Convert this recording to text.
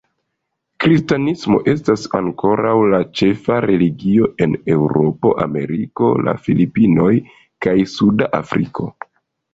Kristanismo estas ankoraŭ la ĉefa religio en Eŭropo, Ameriko, la Filipinoj kaj Suda Afriko.